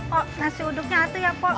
pok nasi uduknya atuh ya pok